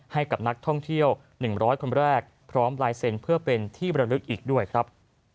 ให้กับนักท่องเที่ยว๑๐๐คนแรกพร้อมลายเซ็นต์เพื่อเป็นที่บรรลึกอีกด้วยครับ